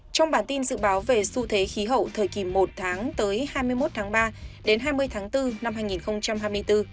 trong bản tin dự báo về xu thế khí hậu thời kỳ một tháng tới hai mươi một tháng ba đến hai mươi tháng bốn năm hai nghìn hai mươi bốn